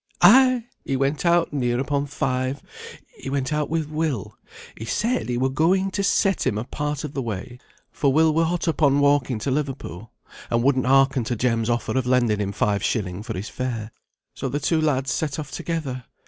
"Ay! he went out near upon five; he went out with Will; he said he were going to set him a part of the way, for Will were hot upon walking to Liverpool, and wouldn't hearken to Jem's offer of lending him five shilling for his fare. So the two lads set off together.